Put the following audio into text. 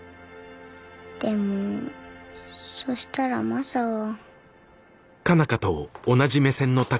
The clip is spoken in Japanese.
でもそしたらマサが。